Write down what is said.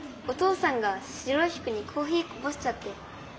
お父さんが白いふくにコーヒーこぼしちゃって。